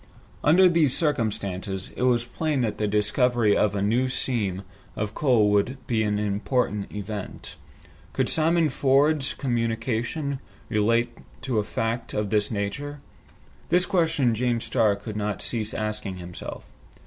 Under these circumstances, it was plain that the discovery of a new seam of coal would be an important event. Could Simon Ford's communication relate to a fact of this nature? This question James Starr could not cease asking himself.